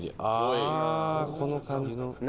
ああこの感じの」